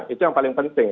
itu yang paling penting